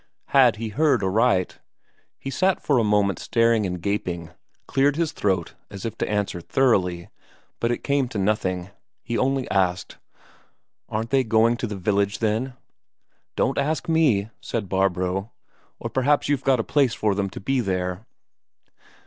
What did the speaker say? Had he heard aright? He sat for a moment staring and gaping, cleared his throat as if to answer thoroughly, but it came to nothing; he only asked: "Aren't they going to the village, then?" "Don't ask me," said Barbro. "Or perhaps you've got a place for them to be there?"